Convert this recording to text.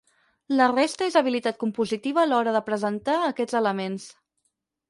La resta és habilitat compositiva a l'hora de presentar aquests elements.